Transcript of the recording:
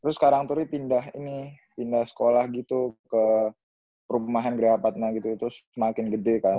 terus karangturi pindah ini pindah sekolah gitu ke rumahan geraapatna gitu terus semakin gede kan